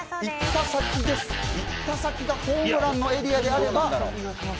いった先がホームランのエリアであれば。